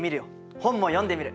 本も読んでみる！